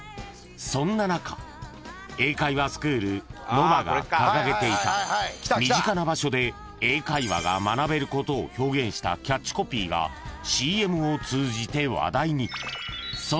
［そんな中英会話スクールＮＯＶＡが掲げていた身近な場所で英会話が学べることを表現したキャッチコピーがＣＭを通じて話題に］